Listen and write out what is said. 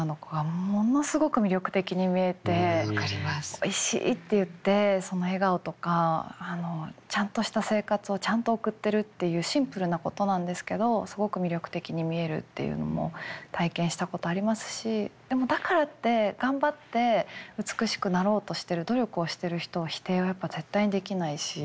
おいしい！って言ってその笑顔とかちゃんとした生活をちゃんと送ってるっていうシンプルなことなんですけどすごく魅力的に見えるっていうのも体験したことありますしでもだからって頑張って美しくなろうとしてる努力をしてる人を否定は絶対にできないし。